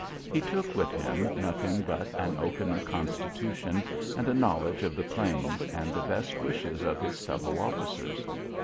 He took with him nothing but an oaken constitution and a knowledge of the plains and the best wishes of his fellow officers.